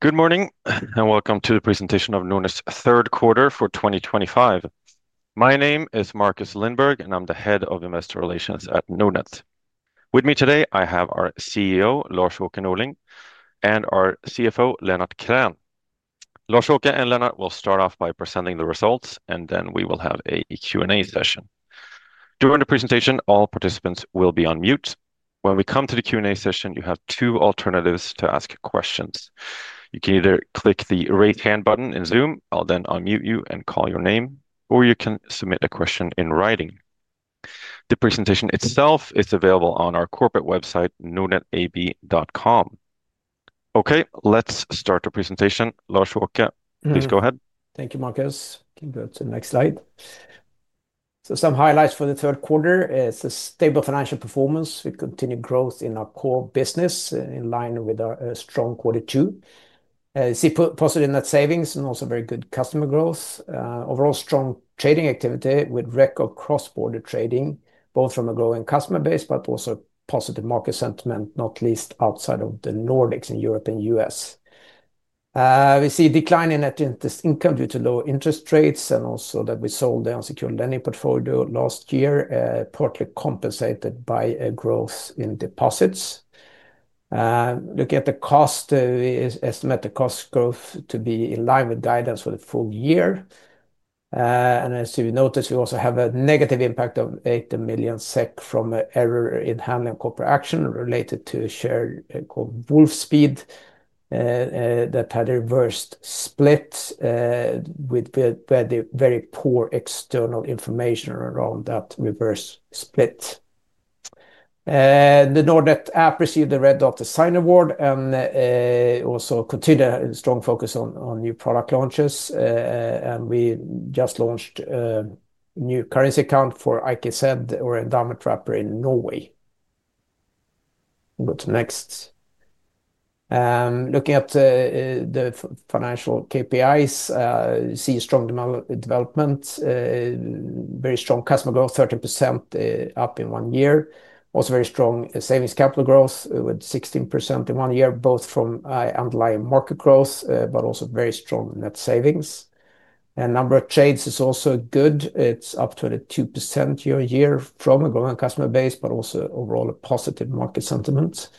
Good morning and welcome to the presentation of Nordnet's third quarter for 2025. My name is Marcus Lindbergh, and I'm the Head of Investor Relations at Nordnet. With me today, I have our CEO, Lars-Åke Norling, and our CFO, Lennart Krän. Lars-Åke and Lennart will start off by presenting the results, and then we will have a Q&A session. During the presentation, all participants will be on mute. When we come to the Q&A session, you have two alternatives to ask questions. You can either click the raised hand button in Zoom, I'll then unmute you and call your name, or you can submit a question in writing. The presentation itself is available on our Corporate website, nordnetab.com. Okay, let's start the presentation. Lars-Åke, please go ahead. Thank you, Marcus. I can go to the next slide. Some highlights for the third quarter: stable financial performance with continued growth in our core business in line with our strong quarter two. We see positive net savings and also very good customer growth. Overall, strong trading activity with record cross-border trading, both from a growing customer base and also positive market sentiment, not least outside of the Nordics in Europe and the U.S. We see a decline in net interest income due to low interest rates and also that we sold our secured lending portfolio last year, partly compensated by a growth in deposits. Looking at the cost, we estimate the cost growth to be in line with guidance for the full year. As you noticed, we also have a negative impact of 8 million SEK from an error in handling corporate action related to a share called Wolfspeed that had a reverse split with very poor external information around that reverse split. The Nordnet app received the Red Dot Design Award and also continued a strong focus on new product launches. We just launched a new currency account for ISK, or Endowment Wrapper, in Norway. Go to the next. Looking at the financial KPIs, you see strong development, very strong customer growth, 13% up in one year. Also, very strong savings capital growth with 16% in one year, both from underlying market growth and also very strong net savings. The number of trades is also good. It's up 22% year-on-year from a growing customer base and also overall a positive market sentiment.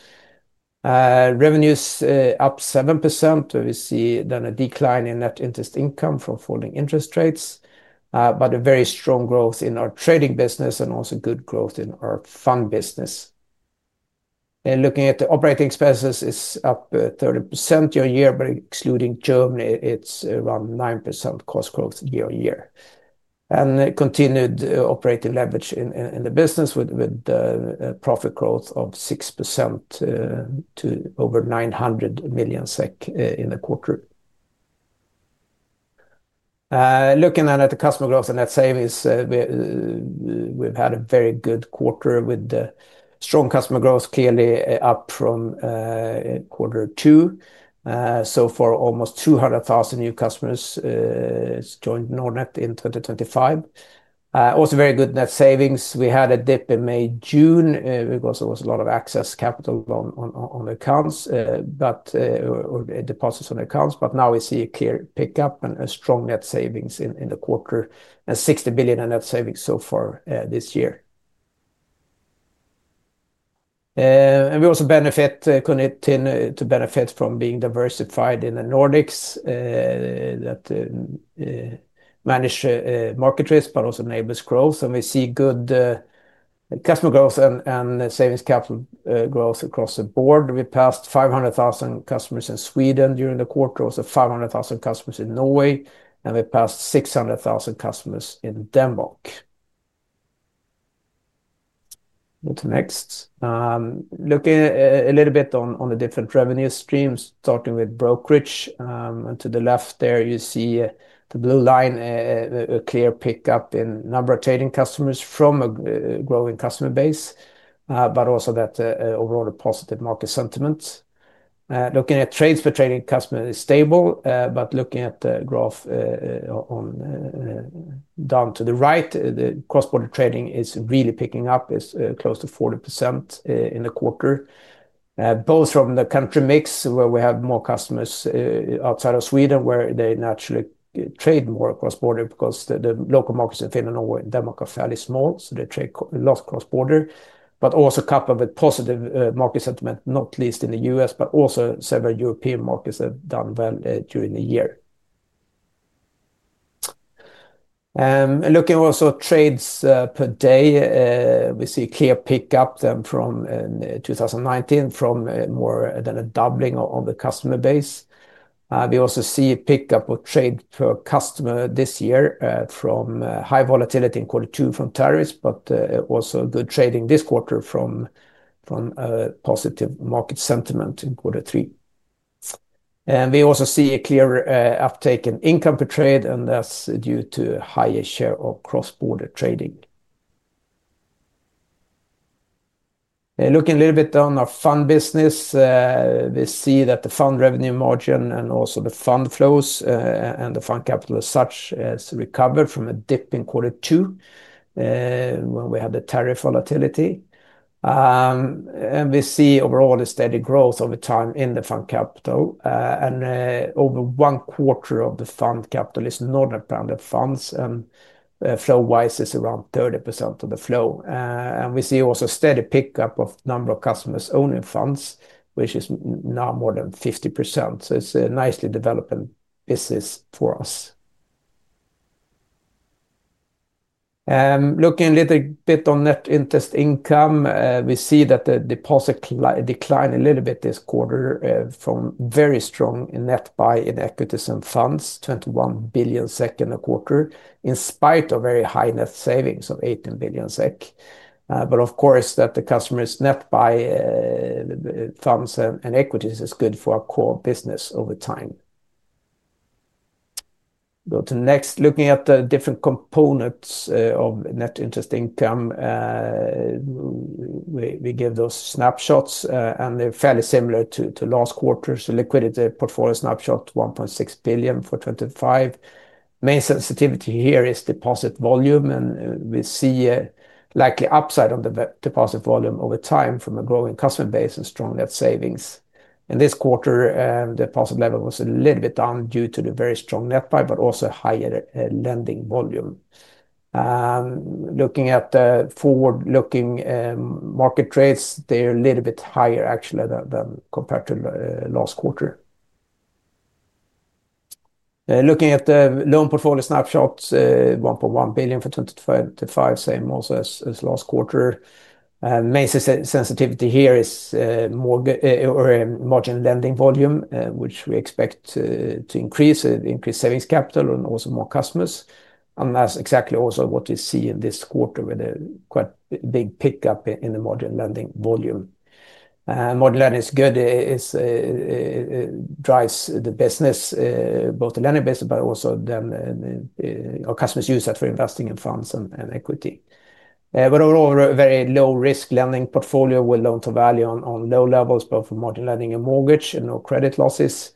Revenues are up 7%. We see then a decline in net interest income from falling interest rates, but a very strong growth in our trading business and also good growth in our fund business. Looking at the operating expenses, it's up 30% year-on-year, but excluding Germany, it's around 9% cost growth year-on-year. Continued operating leverage in the business with profit growth of 6% to over 900 million SEK in the quarter. Looking at the customer growth and net savings, we've had a very good quarter with strong customer growth, clearly up from quarter two. So far, almost 200,000 new customers joined Nordnet in 2023. Also, very good net savings. We had a dip in May, June. There was a lot of excess capital on the accounts or deposits on the accounts, but now we see a clear pickup and strong net savings in the quarter and 60 billion in net savings so far this year. We also benefit, continue to benefit from being diversified in the Nordics. That manages market risk but also enables growth. We see good customer growth and savings capital growth across the board. We passed 500,000 customers in Sweden during the quarter, also 500,000 customers in Norway, and we passed 600,000 customers in Denmark. Go to the next. Looking a little bit on the different revenue streams, starting with brokerage. To the left there, you see the blue line, a clear pickup in number of trading customers from a growing customer base, but also that overall positive market sentiment. Looking at trades for trading customers, it's stable, but looking at the graph down to the right, the cross-border trading is really picking up. It's close to 40% in the quarter, both from the country mix where we have more customers outside of Sweden, where they naturally trade more cross-border because the local markets in Finland and Denmark are fairly small, so they trade lots cross-border. Also coupled with positive market sentiment, not least in the U.S., but also several European markets have done well during the year. Looking at trades per day, we see a clear pickup from 2019, from more than a doubling on the customer base. We also see a pickup of trade per customer this year from high volatility in quarter two from tariffs, but also good trading this quarter from positive market sentiment in quarter three. We also see a clear uptake in income per trade, and that's due to a higher share of cross-border trading. Looking a little bit on our fund business, we see that the fund revenue margin and also the fund flows and the fund capital as such has recovered from a dip in quarter two when we had the tariff volatility. We see overall a steady growth over time in the fund capital. Over one quarter of the fund capital is Nordnet branded funds, and flow-wise is around 30% of the flow. We see also a steady pickup of the number of customers owning funds, which is now more than 50%. It's a nicely developing business for us. Looking a little bit on net interest income, we see that the deposit declined a little bit this quarter from very strong net buy in equities and funds, 21 billion SEK in the quarter, in spite of very high net savings of 18 billion SEK. Of course, that the customers net buy funds and equities is good for our core business over time. Go to the next. Looking at the different components of net interest income, we give those snapshots, and they're fairly similar to last quarter. Liquidity portfolio snapshot $1.6 billion for 2025. Main sensitivity here is deposit volume, and we see a likely upside on the deposit volume over time from a growing customer base and strong net savings. In this quarter, the deposit level was a little bit down due to the very strong net buy, but also higher lending volume. Looking at the forward-looking market trades, they're a little bit higher, actually, than compared to last quarter. Looking at the loan portfolio snapshots, $1.1 billion for 2025, same also as last quarter. Main sensitivity here is margin lending volume, which we expect to increase, increase savings capital and also more customers. That's exactly also what we see in this quarter with a quite big pickup in the margin lending volume. Margin lending is good. It drives the business, both the lending base, but also then our customers use that for investing in funds and equity. Overall, a very low-risk lending portfolio with loan-to-value on low levels, both for margin lending and mortgage, and no credit losses.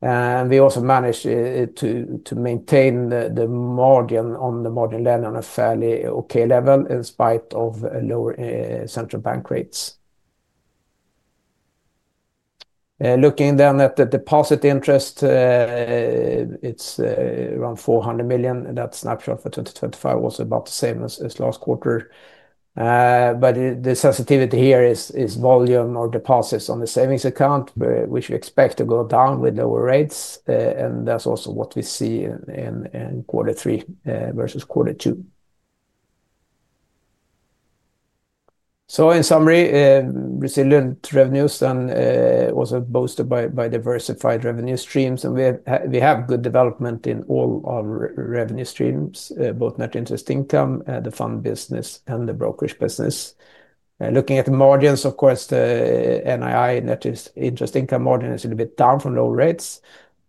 We also manage to maintain the margin on the margin lending on a fairly okay level in spite of lower central bank rates. Looking then at the deposit interest, it's around $400 million. That snapshot for 2025 was about the same as last quarter. The sensitivity here is volume or deposits on the savings account, which we expect to go down with lower rates. That's also what we see in quarter three versus quarter two. In summary, resilient revenues and also boosted by diversified revenue streams. We have good development in all our revenue streams, both net interest income, the fund business, and the brokerage business. Looking at the margins, of course, the NII, net interest income margin, is a little bit down from low rates.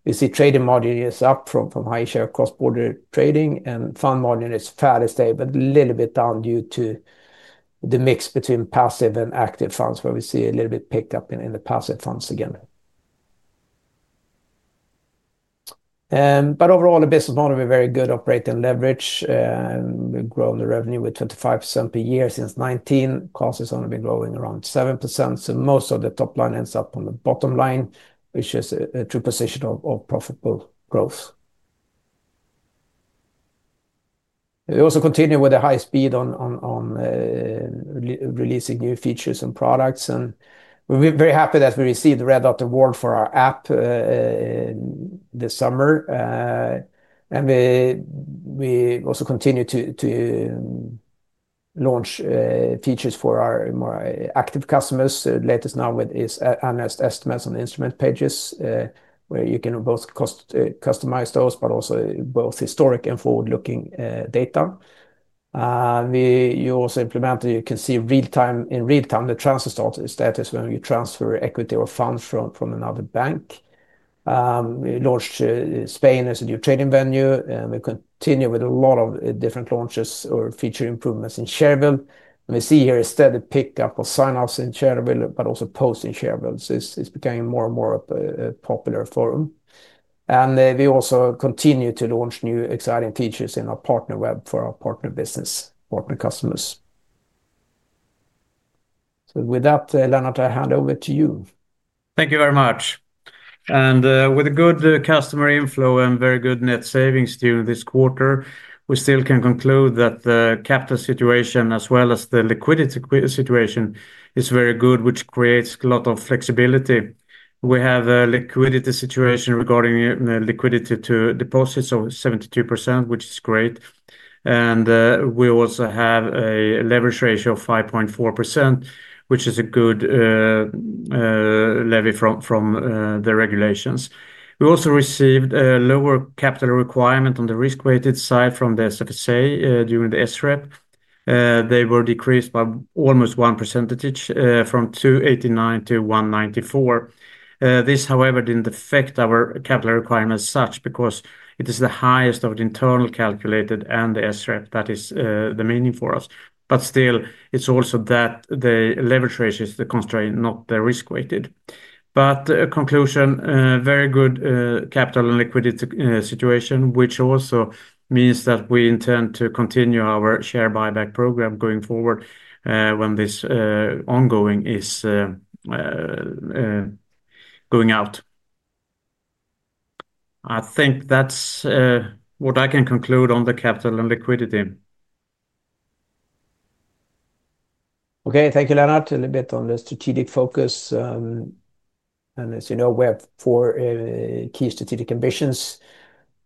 We see trading margin is up from high share cross-border trading, and fund margin is fairly stable, a little bit down due to the mix between passive and active funds, where we see a little bit picked up in the passive funds again. Overall, the business model is very good, operating leverage. We've grown the revenue with 25% per year since 2019. Cost has only been growing around 7%. Most of the top line ends up on the bottom line, which is a true position of profitable growth. We also continue with a high speed on releasing new features and products. We're very happy that we received the Red Dot Award for our app this summer. We also continue to launch features for our more active customers. The latest now is annualized estimates on the instrument pages, where you can both customize those, but also both historic and forward-looking data. You also implemented, you can see in real time the transfer status when you transfer equity or funds from another bank. We launched Spain as a new trading venue. We continue with a lot of different launches or feature improvements in Shareville. We see here a steady pickup of signups in Shareville, but also posts in Shareville. It's becoming more and more of a popular forum. We also continue to launch new exciting features in our partner web for our partner business, partner customers. With that, Lennart, I hand over to you. Thank you very much. With a good customer inflow and very good net savings during this quarter, we still can conclude that the capital situation, as well as the liquidity situation, is very good, which creates a lot of flexibility. We have a liquidity situation regarding liquidity to deposits of 72%, which is great. We also have a leverage ratio of 5.4%, which is a good levy from the regulations. We also received a lower capital requirement on the risk-weighted side from the SFSA during the SREP. They were decreased by almost 1% from 289-194. This, however, didn't affect our capital requirement as such because it is the highest of the internal calculated and the SREP. That is the meaning for us. Still, it's also that the leverage ratio is constrained, not the risk-weighted. In conclusion, very good capital and liquidity situation, which also means that we intend to continue our share buyback program going forward when this ongoing is going out. I think that's what I can conclude on the capital and liquidity. Okay, thank you, Lennart. A little bit on the strategic focus. As you know, we have four key strategic ambitions.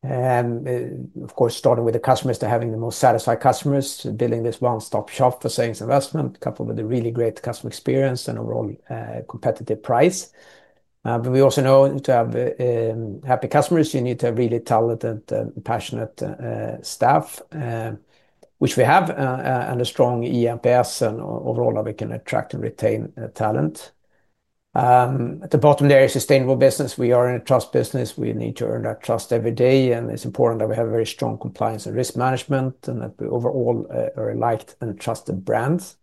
Of course, starting with the customers, having the most satisfied customers, building this one-stop shop for savings investment, coupled with a really great customer experience and overall competitive price. We also know to have happy customers, you need to have really talented and passionate staff, which we have, and a strong EMPS, and overall how we can attract and retain talent. At the bottom, there is sustainable business. We are in a trust business. We need to earn that trust every day. It's important that we have a very strong compliance and risk management and that we overall are a liked and trusted brand.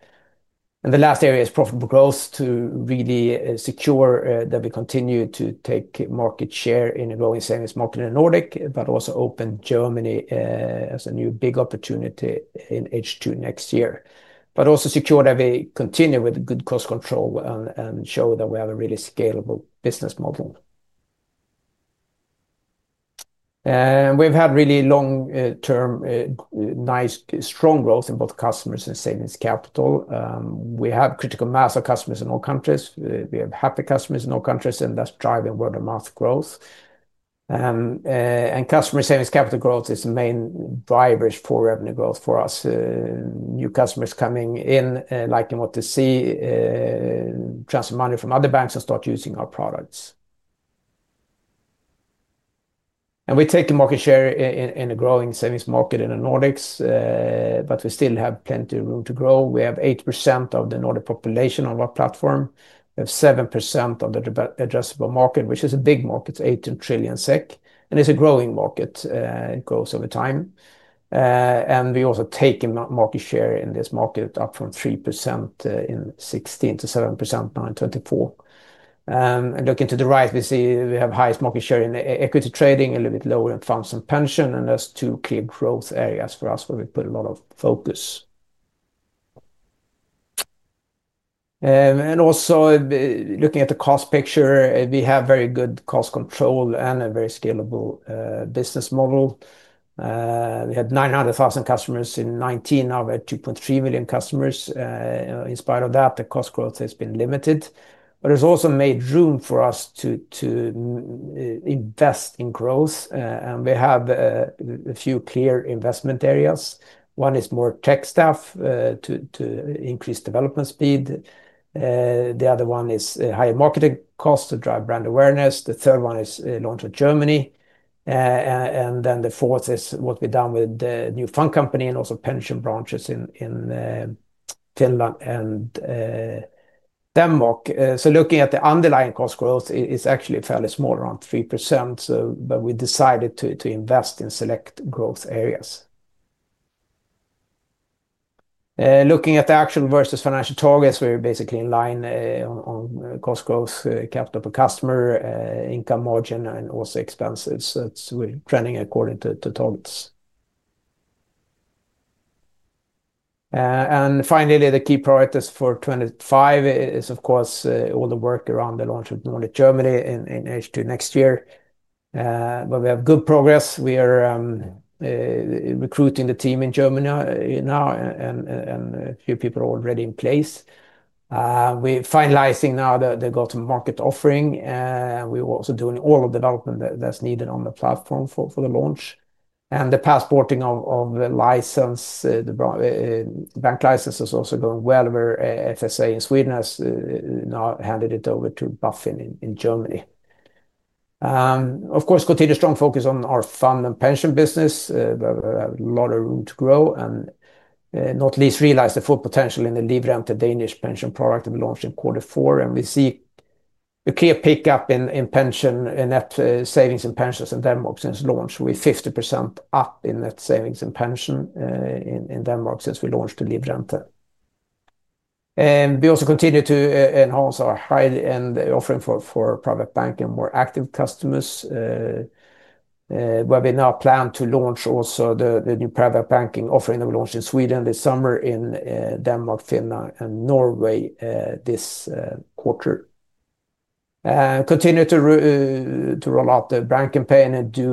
The last area is profitable growth to really secure that we continue to take market share in a growing savings market in the Nordics, but also open Germany as a new big opportunity in H2 next year. Also, secure that we continue with good cost control and show that we have a really scalable business model. We've had really long-term, nice, strong growth in both customers and savings capital. We have critical mass of customers in all countries. We have happy customers in all countries, and that's driving word-of-mouth growth. Customer savings capital growth is the main driver for revenue growth for us. New customers coming in, liking what they see, transfer money from other banks, and start using our products. We take a market share in a growing savings market in the Nordics, but we still have plenty of room to grow. We have 8% of the Nordic population on our platform. We have 7% of the addressable market, which is a big market, 18 trillion SEK, and it's a growing market. It grows over time. We also take a market share in this market up from 3% in 2016 to 7% now in 2024. Looking to the right, we see we have highest market share in equity trading, a little bit lower in funds and pension, and that's two clear growth areas for us where we put a lot of focus. Also, looking at the cost picture, we have very good cost control and a very scalable business model. We had 900,000 customers in 2019. Now we're at 2.3 million customers. In spite of that, the cost growth has been limited. It's also made room for us to invest in growth. We have a few clear investment areas. One is more tech staff to increase development speed. The other one is higher marketing costs to drive brand awareness. The third one is launch in Germany. The fourth is what we've done with the new fund company and also pension branches in Finland and Denmark. Looking at the underlying cost growth, it's actually fairly small, around 3%. We decided to invest in select growth areas. Looking at the actual versus financial targets, we're basically in line on cost growth, capital per customer, income margin, and also expenses. We're trending according to targets. Finally, the key priorities for 2025 are, of course, all the work around the launch of Nordnet Germany in H2 next year. We have good progress. We are recruiting the team in Germany now, and a few people are already in place. We're finalizing now the go-to-market offering. We're also doing all the development that's needed on the platform for the launch. The passporting of the license, the bank license, is also going well where the SFSA in Sweden has now handed it over to BaFin in Germany. Of course, we continue strong focus on our fund and pension business. We have a lot of room to grow and not least realize the full potential in the Livrente Danish pension product that we launched in quarter four. We see a clear pickup in net savings and pensions in Denmark since launch. We're 50% up in net savings and pensions in Denmark since we launched the Livrente. We also continue to enhance our high-end offering for private banking and more active customers, where we now plan to launch also the new private banking offering that we launched in Sweden this summer, in Denmark, Finland, and Norway this quarter. We continue to roll out the brand campaign and do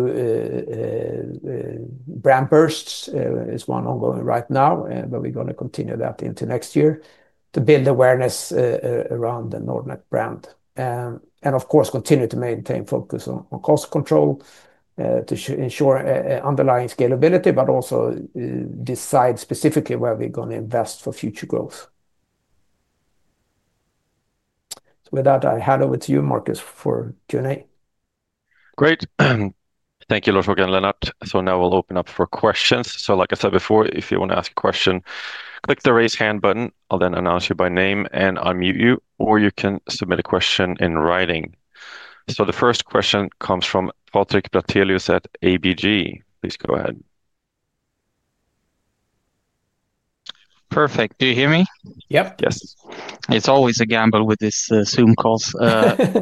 brand bursts. One is ongoing right now, and we're going to continue that into next year to build awareness around the Nordnet brand. We continue to maintain focus on cost control to ensure underlying scalability, and also decide specifically where we're going to invest for future growth. With that, I hand over to you, Marcus, for Q&A. Great. Thank you, Lars-Åke and Lennart. Now we'll open up for questions. Like I said before, if you want to ask a question, click the raised hand button. I'll announce you by name and unmute you, or you can submit a question in writing. The first question comes from Patrik Brattelius at ABG. Please go ahead. Perfect. Do you hear me? Yep. Yes. It's always a gamble with this Zoom call.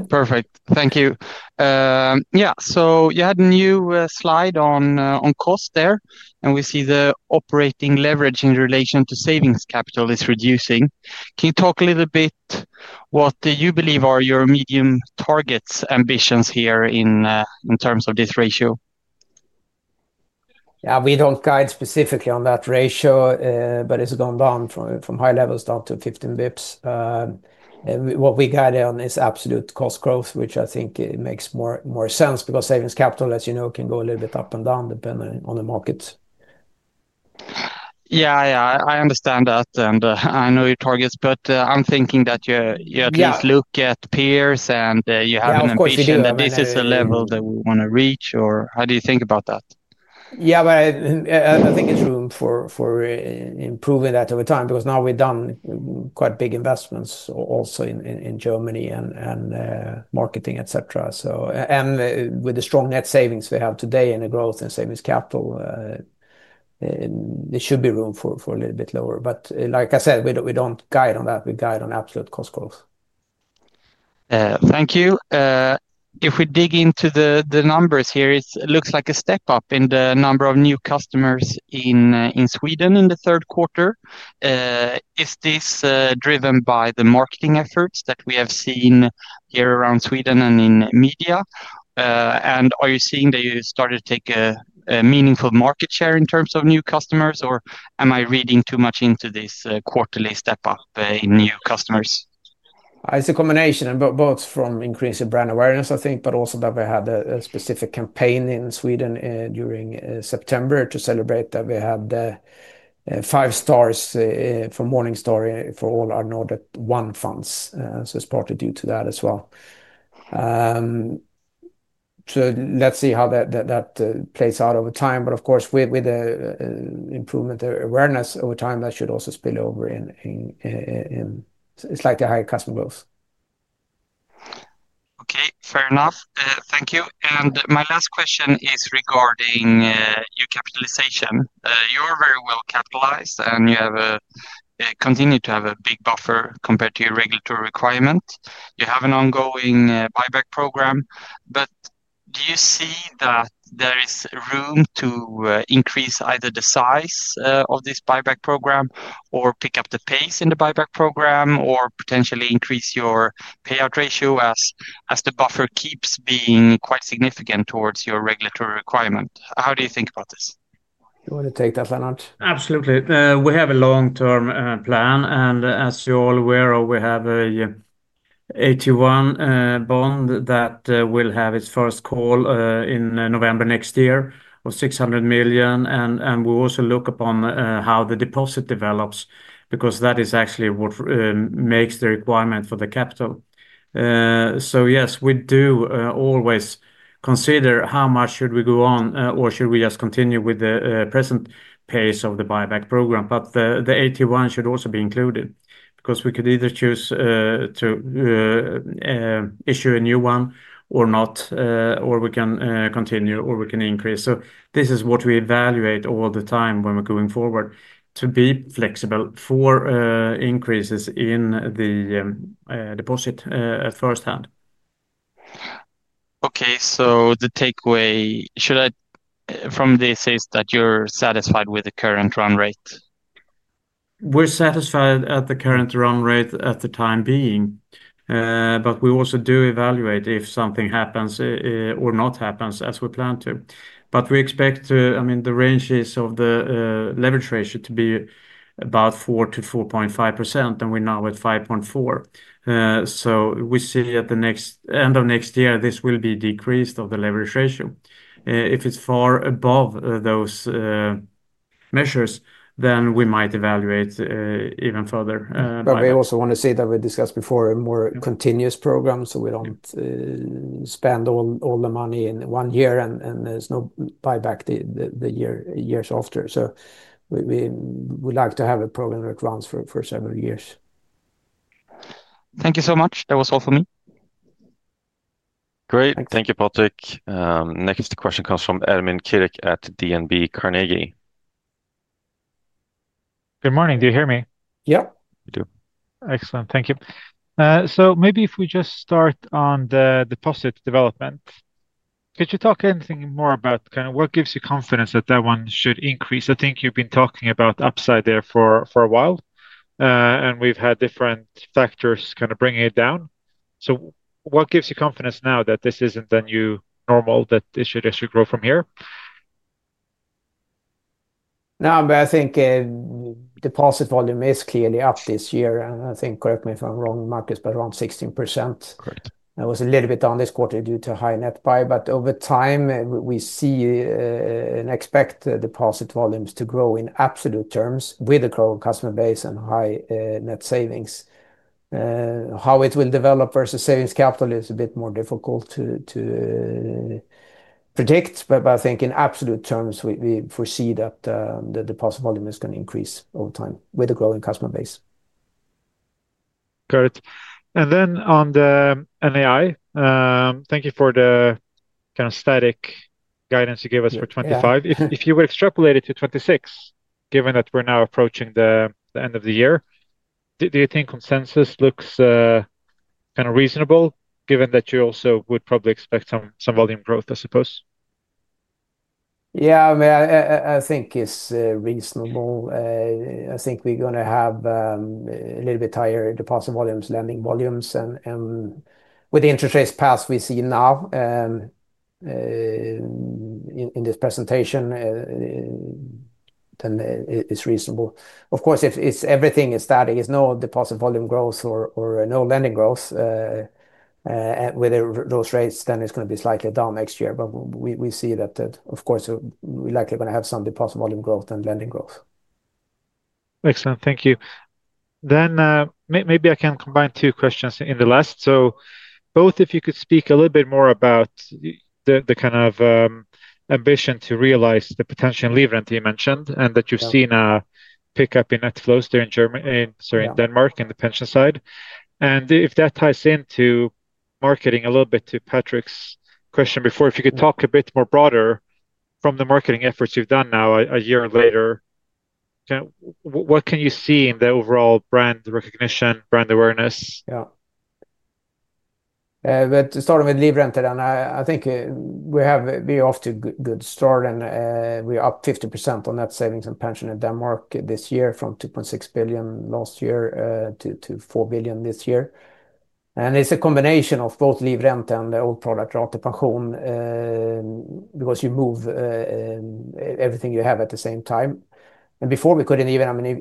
Perfect. Thank you. Yeah, you had a new slide on cost there, and we see the operating leverage in relation to savings capital is reducing. Can you talk a little bit about what you believe are your medium targets ambitions here in terms of this ratio? Yeah. We don't guide specifically on that ratio, but it's gone down from high levels down to 15 bps. What we guide on is absolute cost growth, which I think makes more sense because savings capital, as you know, can go a little bit up and down depending on the markets. Yeah, yeah. I understand that, and I know your targets, but I'm thinking that you at least look at peers and you have an ambition that this is a level that we want to reach, or how do you think about that? Yeah, but I think it's room for improving that over time because now we've done quite big investments also in Germany and marketing, etc. With the strong net savings we have today and the growth in savings capital, there should be room for a little bit lower. Like I said, we don't guide on that. We guide on absolute cost growth. Thank you. If we dig into the numbers here, it looks like a step up in the number of new customers in Sweden in the third quarter. Is this driven by the marketing efforts that we have seen here around Sweden and in media? Are you seeing that you started to take a meaningful market share in terms of new customers, or am I reading too much into this quarterly step up in new customers? It's a combination of both from increasing brand awareness, I think, but also that we had a specific campaign in Sweden during September to celebrate that we had the five stars from Morningstar for all our Nordnet One funds. It's partly due to that as well. Let's see how that plays out over time. Of course, with the improvement of awareness over time, that should also spill over in, it's like a higher customer growth. Okay, fair enough. Thank you. My last question is regarding your capitalization. You are very well capitalized, and you continue to have a big buffer compared to your regulatory requirement. You have an ongoing buyback program. Do you see that there is room to increase either the size of this buyback program or pick up the pace in the buyback program or potentially increase your payout ratio as the buffer keeps being quite significant towards your regulatory requirement? How do you think about this? You want to take that, Lennart? Absolutely. We have a long-term plan, and as you're all aware, we have an AT1 bond that will have its first call in November next year of 600 million. We also look upon how the deposit develops because that is actually what makes the requirement for the capital. Yes, we do always consider how much should we go on or should we just continue with the present pace of the buyback program. The AT1 should also be included because we could either choose to issue a new one or not, or we can continue or we can increase. This is what we evaluate all the time when we're going forward to be flexible for increases in the deposit firsthand. Okay, so the takeaway from this is that you're satisfied with the current run rate? We're satisfied at the current run rate at the time being, but we also do evaluate if something happens or not happens as we plan to. We expect the ranges of the leverage ratio to be about 4%-4.5%, and we're now at 5.4%. We see at the end of next year, this will be a decrease of the leverage ratio. If it's far above those measures, then we might evaluate even further. We also want to see that we discussed before a more continuous program, so we don't spend all the money in one year and there's no buyback the years after. We would like to have a program that runs for several years. Thank you so much. That was all for me. Great. Thank you, Patrik. Next question comes from Ermin Keric at DNB Carnegie. Good morning. Do you hear me? Yeah. Excellent. Thank you. Maybe if we just start on the deposit development, could you talk anything more about what gives you confidence that that one should increase? I think you've been talking about upside there for a while, and we've had different factors bringing it down. What gives you confidence now that this isn't the new normal, that it should actually grow from here? No, but I think deposit volume is clearly up this year, and I think, correct me if I'm wrong, Marcus, but around 16%. It was a little bit down this quarter due to high net buy, but over time, we see and expect deposit volumes to grow in absolute terms with a growing customer base and high net savings. How it will develop versus savings capital is a bit more difficult to predict, but I think in absolute terms, we foresee that the deposit volume is going to increase over time with a growing customer base. Great. On the NII, thank you for the kind of static guidance you gave us for 2025. If you were to extrapolate it to 2026, given that we're now approaching the end of the year, do you think consensus looks kind of reasonable, given that you also would probably expect some volume growth, I suppose? Yeah, I mean, I think it's reasonable. I think we're going to have a little bit higher deposit volumes, lending volumes, and with the interest rates passed we see now in this presentation, then it's reasonable. Of course, if everything is static, there's no deposit volume growth or no lending growth with those rates, it's going to be slightly down next year. We see that, of course, we're likely going to have some deposit volume growth and lending growth. Excellent. Thank you. Maybe I can combine two questions in the last. If you could speak a little bit more about the kind of ambition to realize the potential in Livrente that you mentioned, and that you've seen a pickup in net flows in Denmark in the pension side, and if that ties into marketing a little bit to Patrick's question before. If you could talk a bit more broadly from the marketing efforts you've done now a year later, what can you see in the overall brand recognition, brand awareness? Yeah. To start with Livrente, I think we have a good start. We're up 50% on net savings and pension in Denmark this year from 2.6 billion last year to 4 billion this year. It's a combination of both Livrente and the old product, because you move everything you have at the same time. Previously,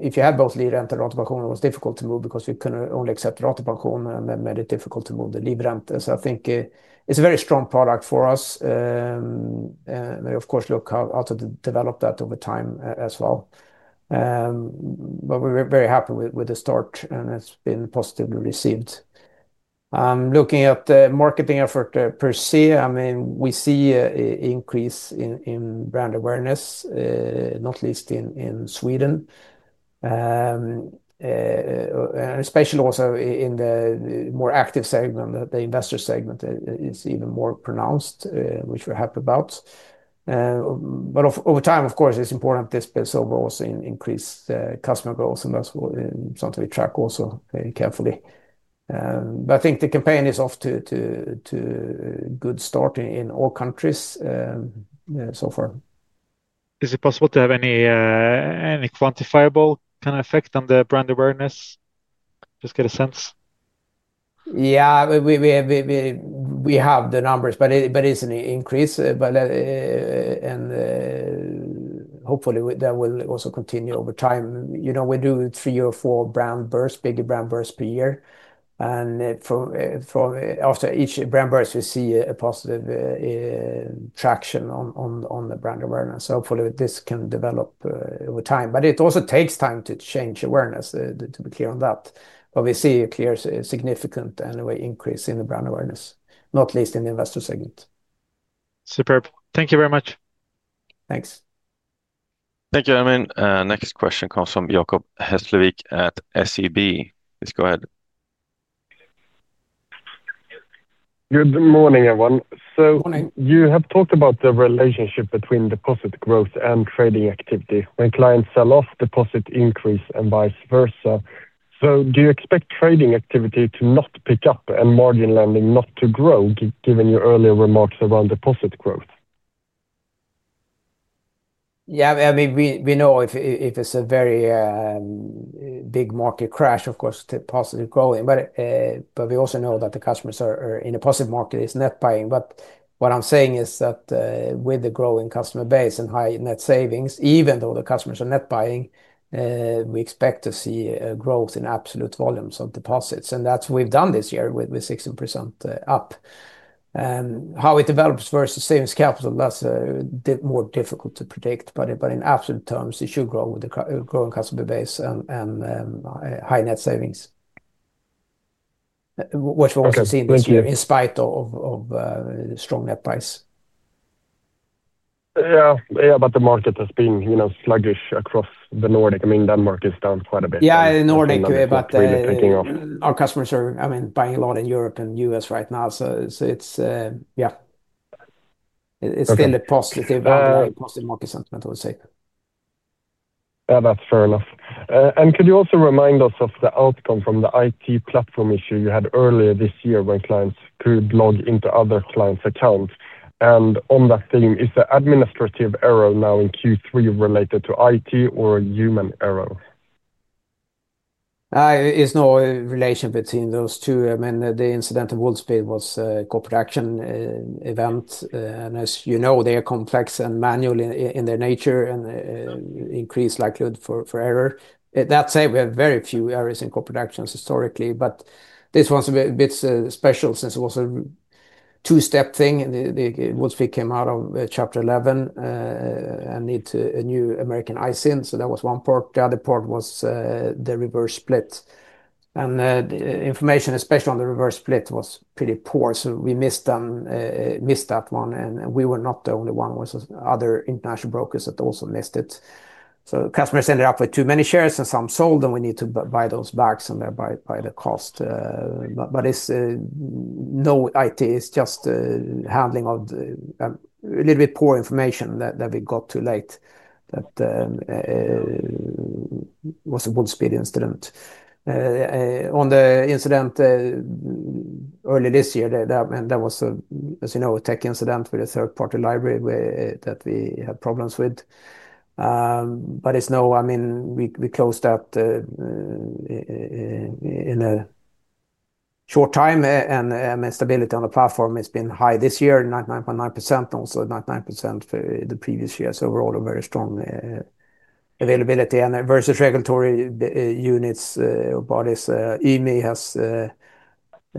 if you had both Livrente and it was difficult to move because we could only accept and it made it difficult to move the Livrente. I think it's a very strong product for us. Of course, we will look at how to develop that over time as well. We're very happy with the start, and it's been positively received. Looking at the marketing effort per se, we see an increase in brand awareness, not least in Sweden, and especially also in the more active segment. The investor segment is even more pronounced, which we're happy about. Over time, it's important to spend overall in increased customer growth, and that's something we track also carefully. I think the campaign is off to a good start in all countries so far. Is it possible to have any quantifiable kind of effect on the brand awareness? Just get a sense? Yeah, we have the numbers, but it's an increase. Hopefully, that will also continue over time. You know, we do three or four brand bursts, bigger brand bursts per year, and after each brand burst, we see a positive traction on the brand awareness. Hopefully, this can develop over time. It also takes time to change awareness, to be clear on that. We see a clear, significant anyway increase in the brand awareness, not least in the investor segment. Superb. Thank you very much. Thanks. Thank you, Ermin. Next question comes from Jacob Hesslevik at SEB. Please go ahead. Good morning, everyone. You have talked about the relationship between deposit growth and trading activity. When clients sell off, deposit increases and vice versa. Do you expect trading activity to not pick up and margin lending not to grow, given your earlier remarks around deposit growth? Yeah, I mean, we know if it's a very big market crash, of course, deposit is growing. We also know that the customers are in a positive market, it's net buying. What I'm saying is that with the growing customer base and high net savings, even though the customers are net buying, we expect to see growth in absolute volumes of deposits. That's what we've done this year with 16% up. How it develops versus savings capital, that's a bit more difficult to predict. In absolute terms, it should grow with a growing customer base and high net savings, which we've also seen this year in spite of strong net buys. Yeah, the market has been sluggish across the Nordics. I mean, Denmark is down quite a bit. Yeah, in the Nordics, but our customers are, I mean, buying a lot in Europe and the U.S. right now. It's still a positive market sentiment, I would say. That's fair enough. Could you also remind us of the outcome from the IT platform issue you had earlier this year when clients could log into other clients' accounts? On that theme, is the administrative error now in Q3 related to IT or a human error? There's no relation between those two. I mean, the incident at Wolfspeed was a corporate action event. As you know, they are complex and manual in their nature and increase likelihood for error. That said, we have very few errors in corporate actions historically, but this one's a bit special since it was a two-step thing. Wolfspeed came out of Chapter 11 and needed a new American ISIN. That was one part. The other part was the reverse split. The information, especially on the reverse split, was pretty poor. We missed that one. We were not the only one. There were other international brokers that also missed it. Customers ended up with too many shares and some sold them. We need to buy those back and thereby buy the cost. It's not IT. It's just handling of a little bit poor information that we got too late. That was a Wolfspeed incident. On the incident earlier this year, that was, as you know, a tech incident with a third-party library that we had problems with. We closed that in a short time. Stability on the platform has been high this year, 99.9%. Also 99% for the previous years. Overall, a very strong availability. Versus regulatory units or bodies, EME has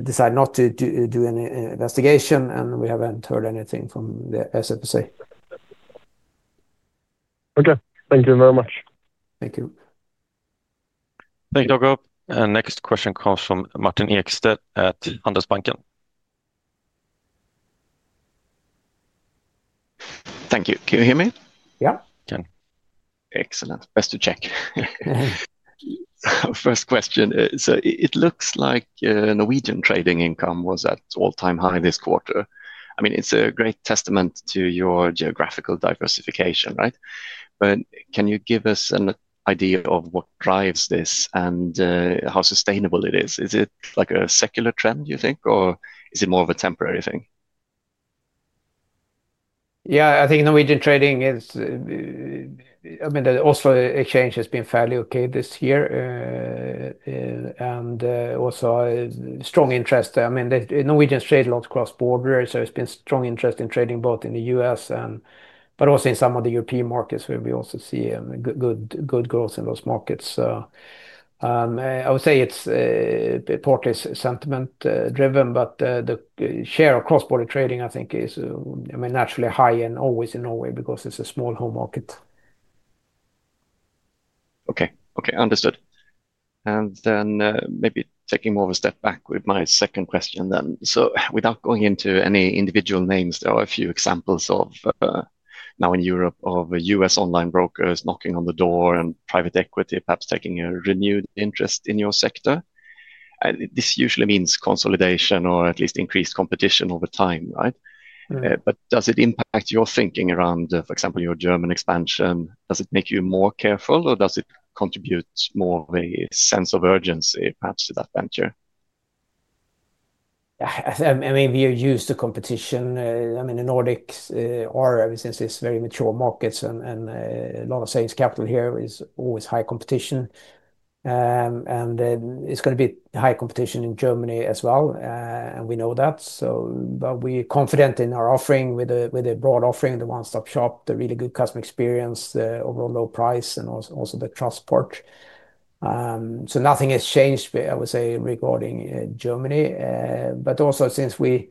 decided not to do any investigation. We haven't heard anything from the SFSA. Okay, thank you very much. Thank you. Thank you, Jacob. Next question comes from Martin Ekstedt at Handelsbanken. Thank you. Can you hear me? Yeah. Excellent. Best to check. First question. It looks like Norwegian trading income was at all-time high this quarter. I mean, it's a great testament to your geographical diversification, right? Can you give us an idea of what drives this and how sustainable it is? Is it like a secular trend, do you think, or is it more of a temporary thing? Yeah, I think Norwegian trading is, I mean, the Oslo exchange has been fairly okay this year. Also a strong interest. I mean, Norwegians trade a lot across borders. There's been strong interest in trading both in the U.S., but also in some of the European markets where we also see good growth in those markets. I would say it's partly sentiment-driven, but the share of cross-border trading, I think, is naturally high and always in Norway because it's a small home market. Okay, understood. Maybe taking more of a step back with my second question. Without going into any individual names, there are a few examples now in Europe of U.S. online brokers knocking on the door and private equity perhaps taking a renewed interest in your sector. This usually means consolidation or at least increased competition over time, right? Does it impact your thinking around, for example, your German expansion? Does it make you more careful or does it contribute more of a sense of urgency perhaps to that venture? We are used to competition. The Nordics are ever since this very mature market, and a lot of savings capital here is always high competition. It's going to be high competition in Germany as well, and we know that. We are confident in our offering with a broad offering, the one-stop shop, the really good customer experience, the overall low price, and also the trust part. Nothing has changed, I would say, regarding Germany. Also, since we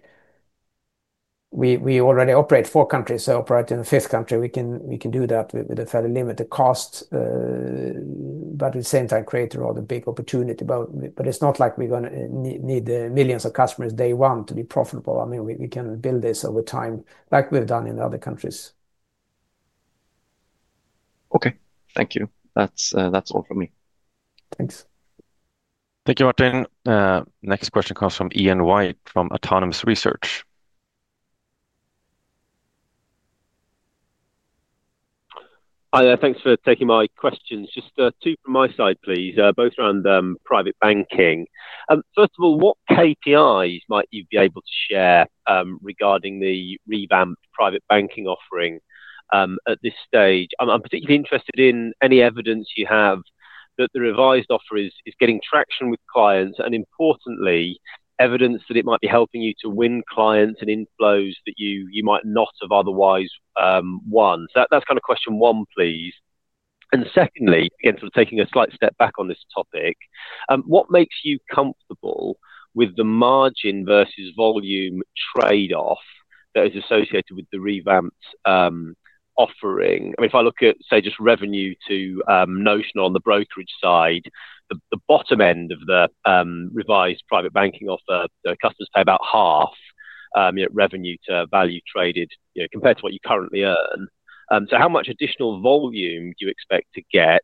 already operate in four countries, to operate in the fifth country, we can do that with a fairly limited cost. At the same time, we create a rather big opportunity. It's not like we're going to need millions of customers day one to be profitable. We can build this over time like we've done in other countries. Okay, thank you. That's all for me. Thanks. Thank you, Martin. Next question comes from Ian White from Autonomous Research. Hi, thanks for taking my questions. Just two from my side, please, both around private banking. First of all, what KPIs might you be able to share regarding the revamped private banking offering at this stage? I'm particularly interested in any evidence you have that the revised offer is getting traction with clients and, importantly, evidence that it might be helping you to win clients and inflows that you might not have otherwise won. That's kind of question one, please. Secondly, again, taking a slight step back on this topic, what makes you comfortable with the margin versus volume trade-off that is associated with the revamped offering? I mean, if I look at, say, just revenue to notional on the brokerage side, the bottom end of the revised private banking offer, customers pay about half revenue to value traded compared to what you currently earn. How much additional volume do you expect to get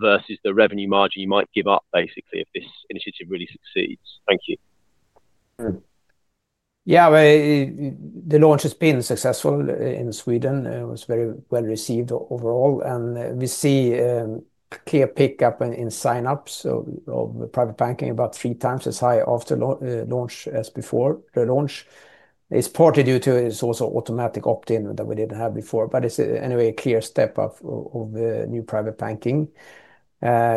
versus the revenue margin you might give up, basically, if this initiative really succeeds? Thank you. Yeah, the launch has been successful in Sweden. It was very well received overall. We see a clear pickup in sign-ups of private banking, about three times as high after launch as before. The launch is partly due to it's also automatic opt-in that we didn't have before. It's anyway a clear step up of new private banking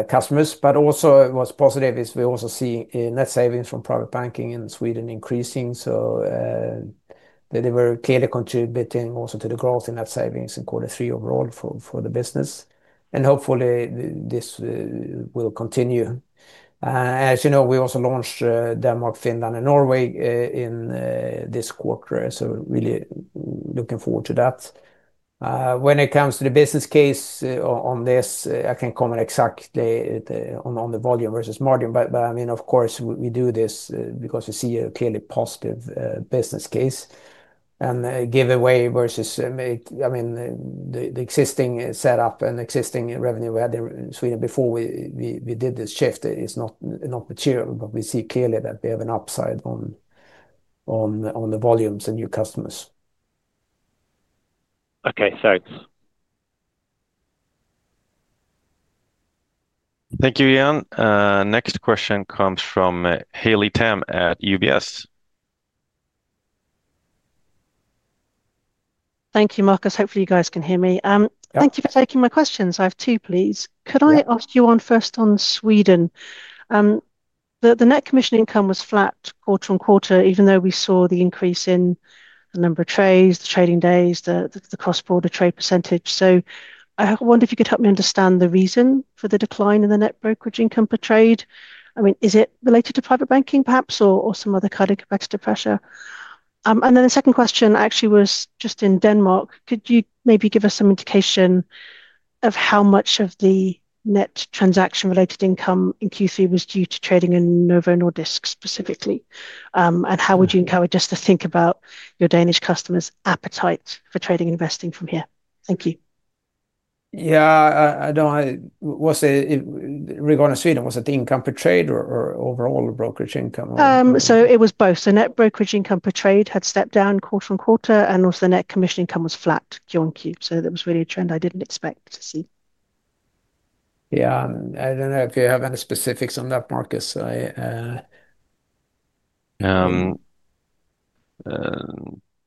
customers. What's positive is we also see net savings from private banking in Sweden increasing. They were clearly contributing also to the growth in net savings in quarter three overall for the business. Hopefully, this will continue. As you know, we also launched Denmark, Finland, and Norway in this quarter. Really looking forward to that. When it comes to the business case on this, I can't comment exactly on the volume versus margin. I mean, of course, we do this because we see a clearly positive business case. Giveaway versus the existing setup and existing revenue we had in Sweden before we did this shift is not material. We see clearly that we have an upside on the volumes and new customers. Okay, thanks. Thank you, Ian. Next question comes from Haley Tam at UBS. Thank you, Marcus. Hopefully, you guys can hear me. Thank you for taking my questions. I have two, please. Could I ask you first on Sweden? The net commission income was flat quarter-on-quarter, even though we saw the increase in the number of trades, the trading days, the cross-border trade percentage. I wonder if you could help me understand the reason for the decline in the net brokerage income per trade. Is it related to private banking perhaps or some other kind of competitive pressure? The second question actually was just in Denmark. Could you maybe give us some indication of how much of the net transaction-related income in Q3 was due to trading in Novo Nordisk specifically? How would you encourage us to think about your Danish customers' appetite for trading and investing from here? Thank you. I don't know. Regarding Sweden, was it the income per trade or overall brokerage income? Net brokerage income per trade had stepped down quarter-on-quarter, and also the net commission income was flat Q1 Q. That was really a trend I didn't expect to see. Yeah, I don't know if you have any specifics on that, Marcus.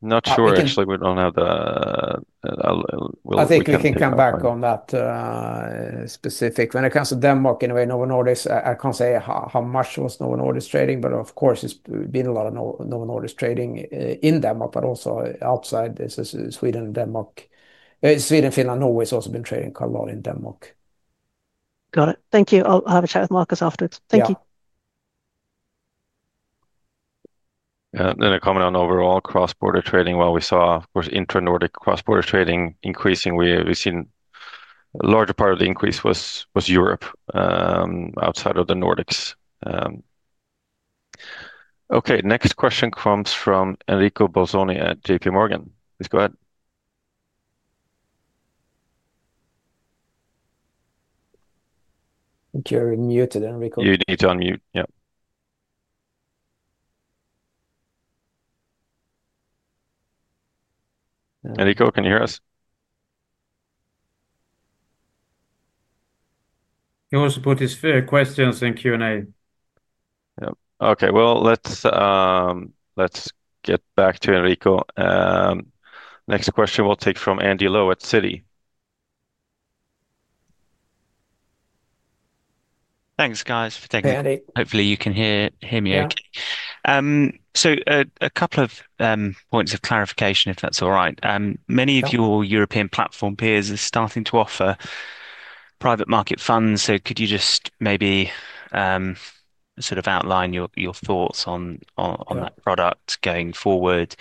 Not sure, actually. We don't have the. I think we can come back on that specific. When it comes to Denmark, in a way, Novo Nordisk, I can't say how much was Novo Nordisk trading, but of course, it's been a lot of Novo Nordisk trading in Denmark, but also outside Sweden and Denmark. Sweden, Finland, Norway has also been trading quite a lot in Denmark. Got it. Thank you. I'll have a chat with Marcus afterwards. Thank you. A comment on overall cross-border trading. We saw, of course, intra-Nordic cross-border trading increasing. We've seen a larger part of the increase was Europe outside of the Nordics. Next question comes from Enrico Bolzoni at JPMorgan. Please go ahead. I think you're muted, Enrico. You need to unmute. Yeah, Enrico, can you hear us? He wants to put his questions in Q&A. Okay, let's get back to Enrico. Next question we'll take from Andy Lowe at Citi. Thanks, guys, for taking the call. Hopefully, you can hear me okay. A couple of points of clarification, if that's all right. Many of your European platform peers are starting to offer private market funds. Could you just maybe sort of outline your thoughts on that product going forward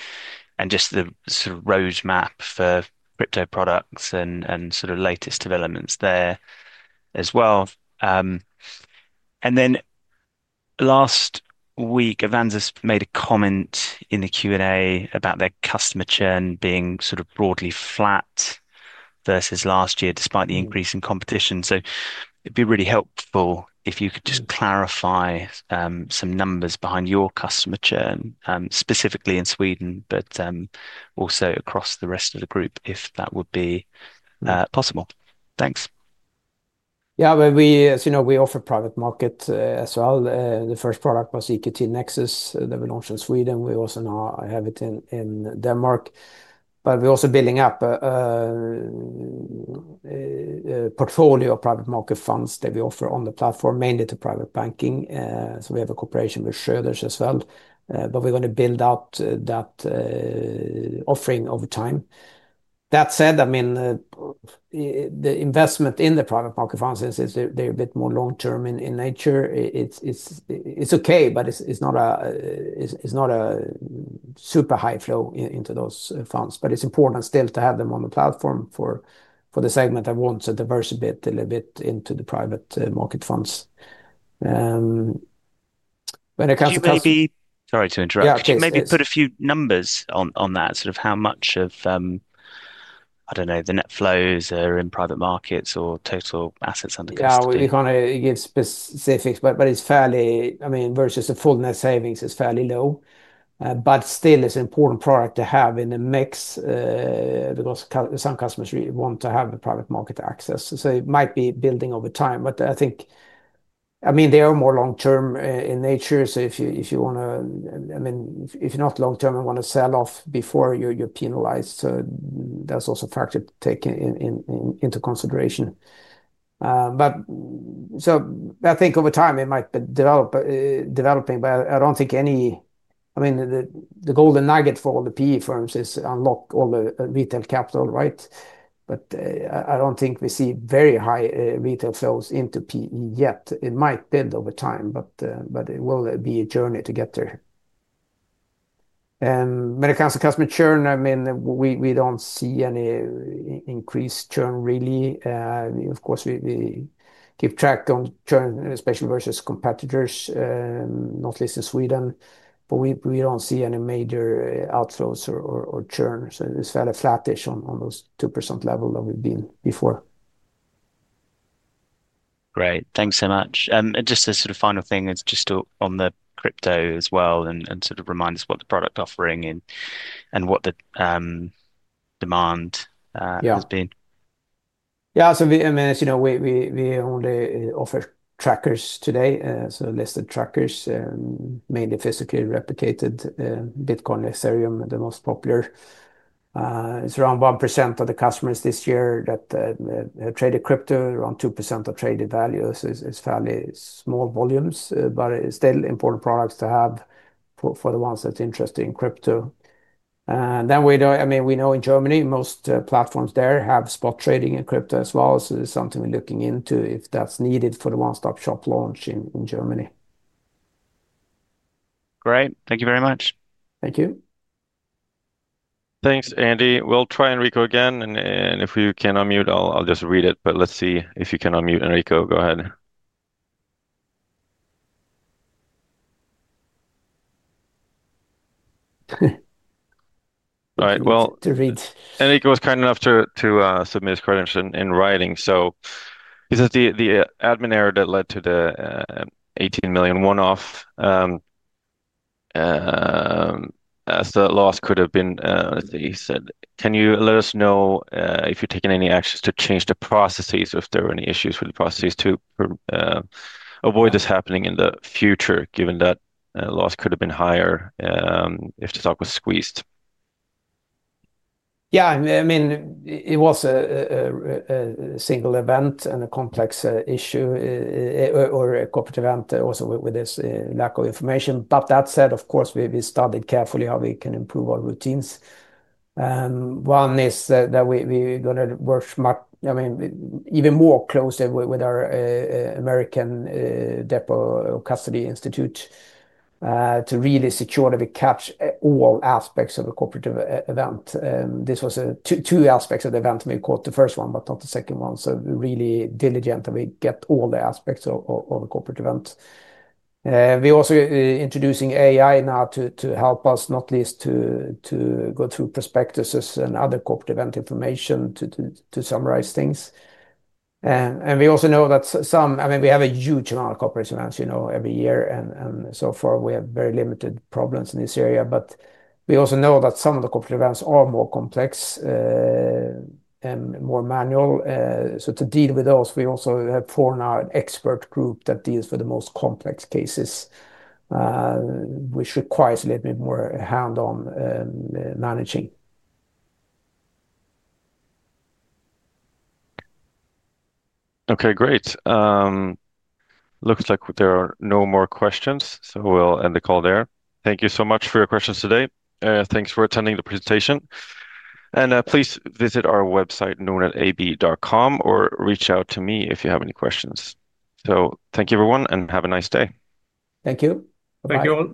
and just the sort of roadmap for crypto offerings and sort of latest developments there as well? Last week, Avanza made a comment in the Q&A about their customer churn being sort of broadly flat versus last year, despite the increase in competition. It'd be really helpful if you could just clarify some numbers behind your customer churn, specifically in Sweden, but also across the rest of the group, if that would be possible. Thanks. Yeah, we, as you know, we offer private market as well. The first product was EQT Nexus that we launched in Sweden. We also now have it in Denmark. We're also building up a portfolio of private market funds that we offer on the platform, mainly to private banking. We have a cooperation with Schroders as well. We're going to build out that offering over time. That said, the investment in the private market funds, since they're a bit more long-term in nature, it's okay, but it's not a super high flow into those funds. It's important still to have them on the platform for the segment that wants to diversify a bit into the private market funds. Sorry to interrupt. Maybe put a few numbers on that, sort of how much of, I don't know, the net flows are in private markets or total assets under customers. Yeah, we can't give specifics, but it's fairly, I mean, versus the full net savings is fairly low. Still, it's an important product to have in the mix because some customers want to have the private market access. It might be building over time. I think they are more long-term in nature. If you're not long-term and want to sell off before, you're penalized. That's also a factor to take into consideration. I think over time it might be developing, but I don't think any, I mean, the golden nugget for all the PE firms is to unlock all the retail capital, right? I don't think we see very high retail flows into PE yet. It might build over time, but it will be a journey to get there. When it comes to customer churn, we don't see any increased churn, really. Of course, we keep track on churn, especially versus competitors, not least in Sweden. We don't see any major outflows or churn. It's fairly flattish on those 2% level that we've been before. Great. Thanks so much. Just a sort of final thing is just on the crypto as well and sort of remind us what the product offering and what the demand has been. As you know, we only offer trackers today, so listed trackers, mainly physically replicated Bitcoin, Ethereum, the most popular. It's around 1% of the customers this year that have traded crypto, around 2% of traded value. It's fairly small volumes, but it's still important products to have for the ones that are interested in crypto. We know in Germany, most platforms there have spot trading in crypto as well. It's something we're looking into if that's needed for the one-stop shop launch in Germany. Great. Thank you very much. Thank you. Thanks, Andy. We'll try Enrico again. If you can unmute, I'll just read it. Let's see if you can unmute, Enrico. Go ahead. Enrico was kind enough to submit his question in writing. He says the admin error that led to the 18 million one-off as the loss could have been, let's see, he said, can you let us know if you're taking any actions to change the processes or if there are any issues with the processes to avoid this happening in the future, given that loss could have been higher if the stock was squeezed? Yeah, I mean, it was a single event and a complex issue or a Corporate event also with this lack of information. That said, of course, we studied carefully how we can improve our routines. One is that we're going to work even more closely with our American Depot Custody Institute to really ensure that we catch all aspects of a Corporate event. This was two aspects of the event. We caught the first one, but not the second one. We're really diligent that we get all the aspects of a Corporate event. We're also introducing AI now to help us, not least to go through prospectuses and other corporate event information to summarize things. We also know that we have a huge amount of corporate events every year. So far, we have very limited problems in this area. We also know that some of the corporate events are more complex and more manual. To deal with those, we also have formed our expert group that deals with the most complex cases, which requires a little bit more hands-on managing. Okay, great. Looks like there are no more questions. We'll end the call there. Thank you so much for your questions today. Thanks for attending the presentation. Please visit our website, nordnetab.com, or reach out to me if you have any questions. Thank you, everyone, and have a nice day. Thank you. Thank you everyone.